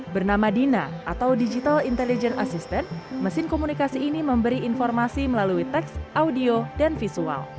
bernama dina atau digital intelligence assistant mesin komunikasi ini memberi informasi melalui teks audio dan visual